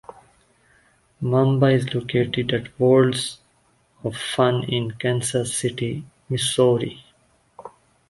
Mamba is located at Worlds of Fun in Kansas City, Missouri.